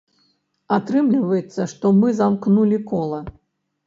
Атрымліваецца, што мы замкнулі кола.